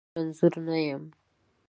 زه رنځور نه یم.